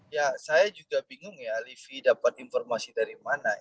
ya saya juga bingung ya alifi dapat informasi dari mana